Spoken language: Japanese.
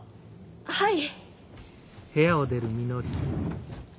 はい。